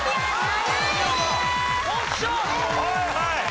はいはい。